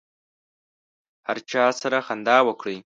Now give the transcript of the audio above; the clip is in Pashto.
هر چا سره خندا وکړئ.